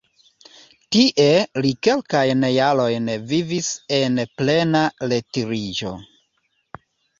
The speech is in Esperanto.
Tie li kelkajn jarojn vivis en plena retiriĝo.